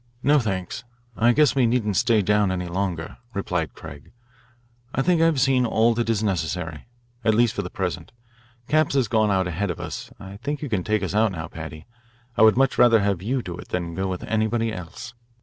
"No, thanks, I guess we needn't stay down any longer," replied Craig. "I think I have seen all that is necessary at least for the present. Capps has gone out ahead of us. I think you can take us out now, Paddy. I would much rather have you do it than to go with anybody else."